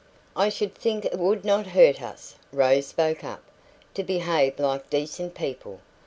"I should think it would NOT hurt us," Rose spoke up, "to behave like decent people.